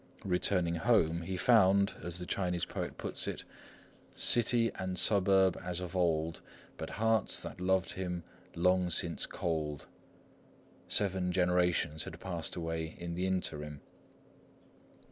Returning home, he found, as the Chinese poet puts it, "City and suburb as of old, But hearts that loved him long since cold." Seven generations had passed away in the interim.